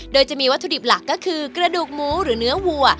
โดยจะมีวัตถุดิบหลักก็คือกระดูกหมูหรือเนื้อวัว